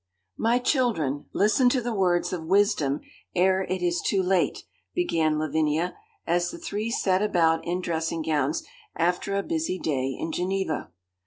_ 'My children, listen to the words of wisdom ere it is too late,' began Lavinia, as the three sat about in dressing gowns after a busy day in Geneva.